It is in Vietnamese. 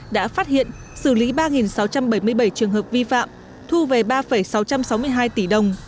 đã phát hiện xử lý ba sáu trăm bảy mươi bảy trường hợp vi phạm thu về ba sáu trăm sáu mươi hai tỷ đồng